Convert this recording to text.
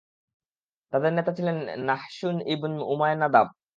তাদের নেতা ছিলেন নাহশূন ইবন ওমায়না দাব।